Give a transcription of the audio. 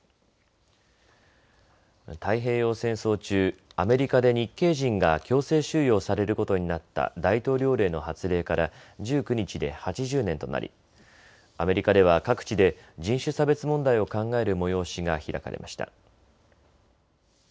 太平洋戦争中、アメリカで日系人が強制収容されることになった大統領令の発令から１９日で８０年となりアメリカでは各地で人種差別問題を考える催しが開かれました。